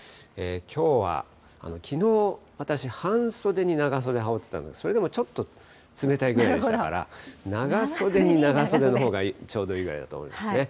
きょうは、きのう私、半袖に長袖羽織ってたんですが、それでもちょっと冷たいぐらいでしたから、長袖に長袖のほうがちょうどいいぐらいだと思いますね。